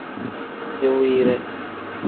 Diwiire.